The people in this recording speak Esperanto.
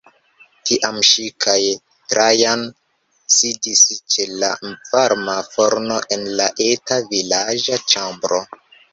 Tiam ŝi kaj Trajan sidis ĉe la varma forno en la eta vilaĝa ĉambro.